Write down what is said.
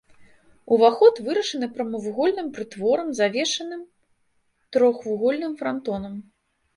Уваход вырашаны прамавугольным прытворам, завершаным трохвугольным франтонам.